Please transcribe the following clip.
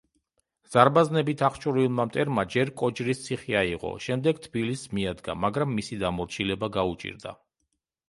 ზარბაზნებით აღჭურვილმა მტერმა ჯერ კოჯრის ციხე აიღო, შემდეგ თბილისს მიადგა, მაგრამ მისი დამორჩილება გაუჭირდა.